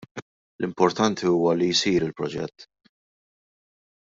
L-importanti huwa li jsir il-proġett.